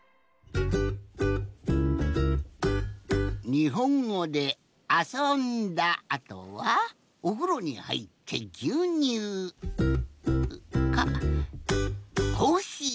にほんごであそんだあとはおふろにはいってぎゅうにゅう。かコーヒーぎゅうにゅう。